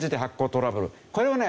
これはね